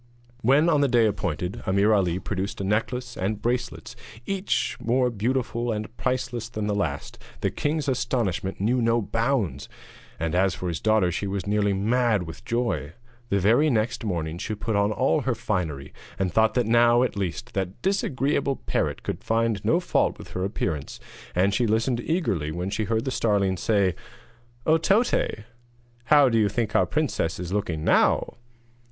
When, on the day appointed, Ameer Ali produced a necklace and bracelets each more beautiful and priceless than the last, the king's astonishment knew no bounds, and as for his daughter she was nearly mad with joy. The very next morning she put on all her finery, and thought that now, at least, that disagreeable parrot could find no fault with her appearance, and she listened eagerly when she heard the starling say: 'Oh, Toté, how do you think our princess is looking now?'